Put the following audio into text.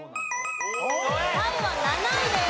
タイは７位です。